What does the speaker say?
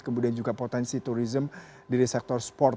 kemudian juga potensi tourism di sektor sport